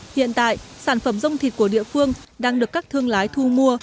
hiện tại sản phẩm dông thịt của địa phương đang được các thương lái thu mua